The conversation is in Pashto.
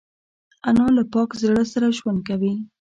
انا له پاک زړه سره ژوند کوي